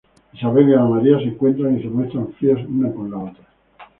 Isabel y Ana María se encuentran y se muestran frías una con la otra.